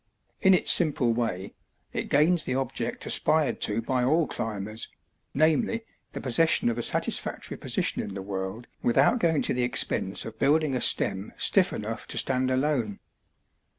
In its simple way it gains the object aspired to by all climbers, namely the possession of a satisfactory position in the world without going to the expense of building a stem stiff enough to stand alone.